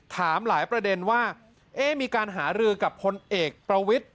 ถามหลายประเด็นว่ามีการหารือกับพลเอกประวิทธิ